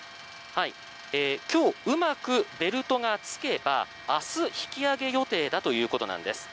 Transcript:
今日うまくベルトがつけば明日、引き揚げ予定だということなんです。